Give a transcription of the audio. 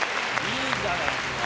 いいんじゃないっすか？